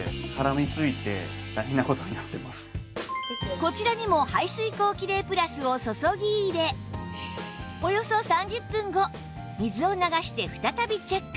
こちらにも排水口キレイプラスを注ぎ入れおよそ３０分後水を流して再びチェック